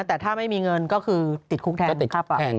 แต่ถ้าไม่มีเงินก็คือติดคุกแทน